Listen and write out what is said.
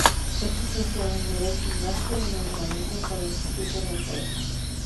Es Licenciado en Derecho y Master en Urbanismo por el Instituto de Empresa.